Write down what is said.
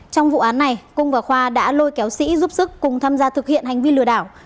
trong vụ án này cung và khoa đã lôi kéo sĩ giúp sức cùng tham gia thực hiện hành vi lừa đảo